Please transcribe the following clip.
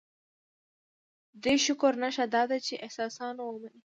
دې شکر نښه دا ده چې احسانونه ومني.